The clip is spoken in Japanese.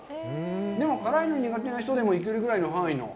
でも、辛いの苦手な人でもいけるぐらいの範囲の。